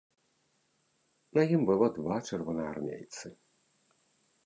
На ім было два чырвонаармейцы.